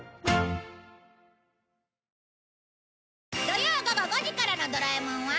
土曜午後５時からの『ドラえもん』は